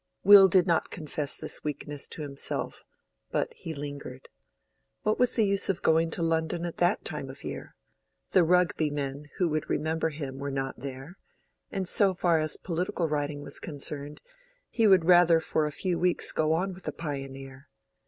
Will did not confess this weakness to himself, but he lingered. What was the use of going to London at that time of the year? The Rugby men who would remember him were not there; and so far as political writing was concerned, he would rather for a few weeks go on with the "Pioneer."